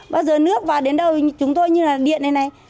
bao giờ nước và đến đâu chúng tôi như là điện này này